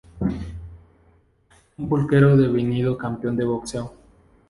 Un peluquero devenido campeón de boxeo.